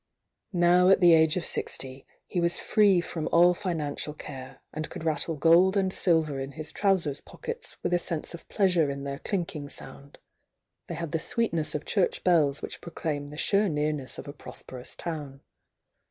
Now at the age of sixty, he was free from all financial care, and could rattle goU and silver in his trousers poikete with a Mnse of pleasure m their clinking sound,— they had the sweetness of church bells which pro w^'^nf k"^^,"^"^^^. °f '^ prosperous town.